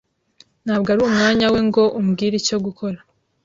Ntabwo ari umwanya we ngo umbwire icyo gukora.